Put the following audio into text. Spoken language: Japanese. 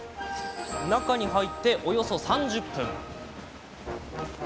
中に入って、およそ３０分。